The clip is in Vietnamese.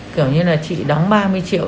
kiểu như là chị đóng ba mươi triệu